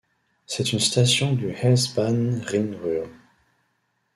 C'est une station du S-Bahn Rhin-Ruhr.